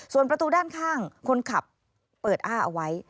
ส่วนประตูด้านข้างคนขับเปิดอ้าเอาไว้